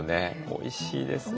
おいしいですね。